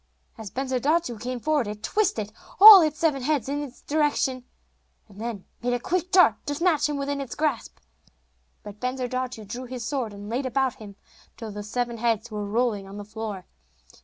As Bensurdatu came forward it twisted all its seven heads in his direction, and then made a quick dart to snatch him within its grasp. But Bensurdatu drew his sword and laid about him, till the seven heads were rolling on the floor.